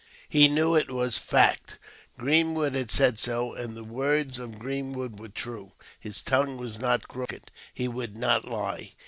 He knew it was fact ; Greenwood had said so, and the words of Greenwood were true ; his tongue was not crooked — he would not lie.